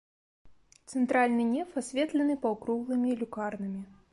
Цэнтральны неф асветлены паўкруглымі люкарнамі.